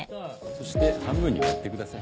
そして半分に割ってください。